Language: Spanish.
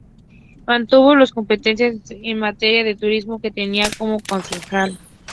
Mantuvo las competencias en materia de turismo que tenía como concejal.